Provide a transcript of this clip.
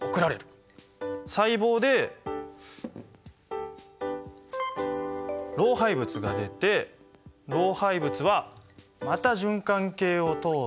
細胞で老廃物が出て老廃物はまた循環系を通って。